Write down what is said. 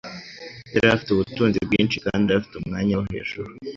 Yari afite ubutunzi bwinshi kandi afite umwanya wo hejuru.